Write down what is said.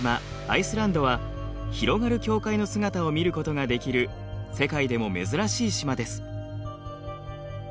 アイスランドは広がる境界の姿を見ることができる世界でも珍しい島です。